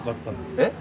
えっ？